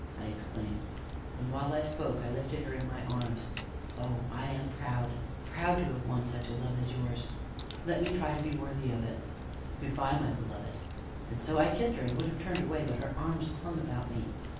I exclaimed, and, while I spoke, I lifted her in my arms. "Oh! I am proud proud to have won such a love as yours let me try to be worthy of it. Good by, my beloved!" and so I kissed her, and would have turned away, but her arms clung about me.